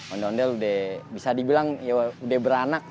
ondel ondel udah bisa dibilang ya udah beranak